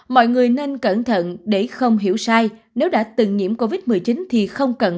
mọi người nên cẩn thận để không hiểu sai nếu đã từng nhiễm covid một mươi chín thì không cần